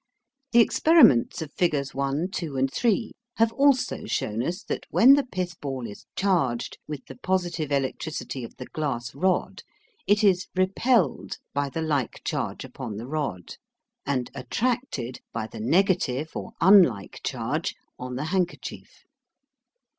The experiments of figures 1, 2, and 3 have also shown us that when the pithball is charged with the positive electricity of the glass rod it is REPELLED by the like charge upon the rod, and ATTRACTED by the negative or unlike charge on the handkerchief.